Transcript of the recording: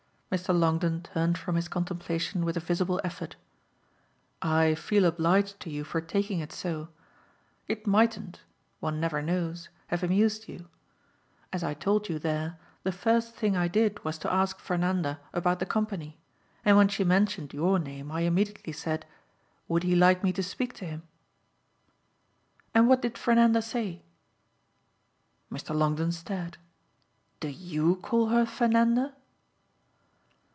Mr. Longdon turned from his contemplation with a visible effort. "I feel obliged to you for taking it so; it mightn't one never knows have amused you. As I told you there, the first thing I did was to ask Fernanda about the company; and when she mentioned your name I immediately said: 'Would he like me to speak to him?'" "And what did Fernanda say?" Mr. Longdon stared. "Do YOU call her Fernanda?"